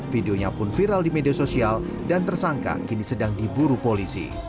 videonya pun viral di media sosial dan tersangka kini sedang diburu polisi